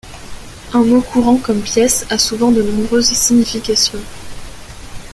Un mot courant comme pièce a souvent de nombreuses significations.